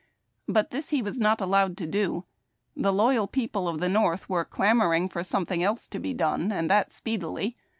But this he was not allowed to do. The loyal people of the North were clamor ing for something else to be done, and that speedily.